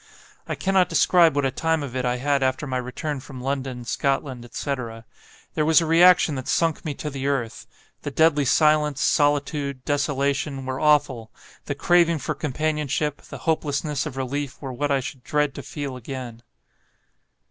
I cannot describe what a time of it I had after my return from London, Scotland, etc. There was a reaction that sunk me to the earth; the deadly silence, solitude, desolation, were awful; the craving for companionship, the hopelessness of relief, were what I should dread to feel again.